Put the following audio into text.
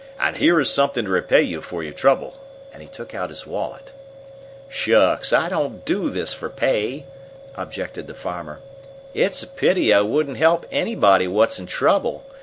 "And here is something to repay you for your trouble," and he took out his wallet. "Shucks! I didn't do this for pay!" objected the farmer. "It's a pity I wouldn't help anybody what's in trouble!